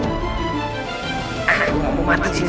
gue mau mati disini